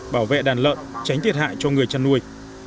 bảo vệ đàn lợn tránh thiệt hại cho người chăn nuôi